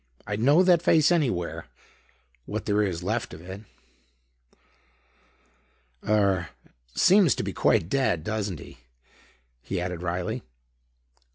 "I'd know that face anywhere, what there is left of it. Er seems to be quite dead, doesn't he?" he added wryly.